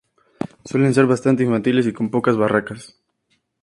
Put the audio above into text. Suelen ser bastante infantiles y con pocas barracas.